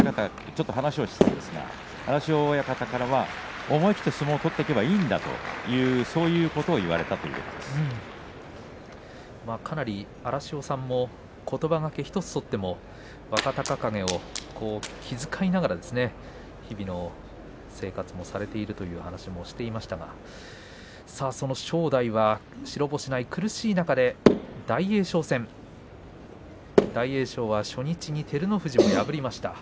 ちょっと話をしたんですが荒汐親方からは思い切って相撲を取っていけばいいそういうことを言われたというかなり荒汐さんもことばがけ１つ取っても若隆景を気遣いながら日々の生活をされているという話もしていましたがその正代は白星がない苦しい中で大栄翔戦大栄翔は初日に照ノ富士を破りました。